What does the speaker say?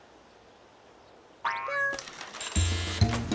ぴょん！